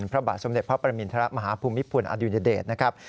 พระบาทสมเด็จพระประมินทะละมหาภูมิภูนิอดิวนิเดตนะครับ